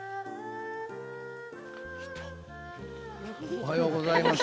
おはようございます。